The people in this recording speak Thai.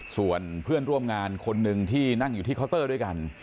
ส่วนเพื่อนร่วมงานคนหนึ่งที่นั่งอยู่ที่เคาน์เตอร์ด้วยกัน